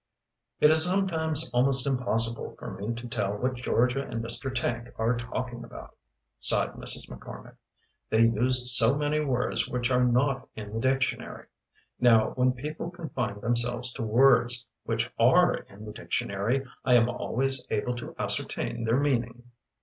"It is sometimes almost impossible for me to tell what Georgia and Mr. Tank are talking about," sighed Mrs. McCormick. "They use so many words which are not in the dictionary. Now when people confine themselves to words which are in the dictionary, I am always able to ascertain their meaning."